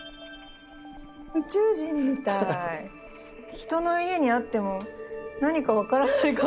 人の家にあっても何か分からないかも。